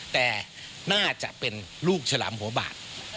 แต่น่าจะเป็นลูกฉลามหัวบาด